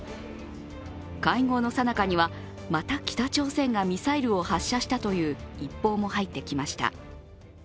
会合のさなかには、また北朝鮮がミサイルを発射したという一報も入ってきました。